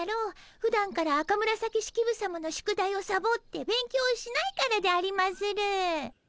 ふだんから赤紫式部さまの宿題をサボって勉強しないからでありまする。